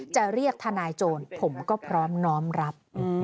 จะเรียกทนายโจรผมก็พร้อมน้อมรับ